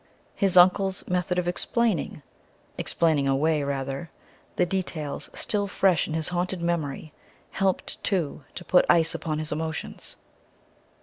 His uncle's method of explaining "explaining away," rather the details still fresh in his haunted memory helped, too, to put ice upon his emotions.